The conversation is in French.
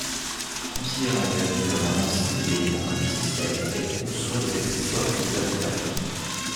Considérant l'habit comme un ensemble d'éléments indissociables, elle conçoit les accessoires qui les accompagnent.